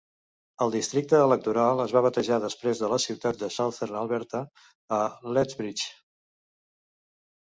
El districte electoral es va batejar després de la ciutat de Southern Alberta, a Lethbridge.